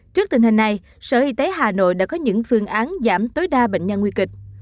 trước tình hình này sở y tế hà nội đã có những phương án giảm tối đa bệnh nhân nguy kịch